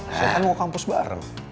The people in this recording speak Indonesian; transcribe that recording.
saya kan mau kampus bareng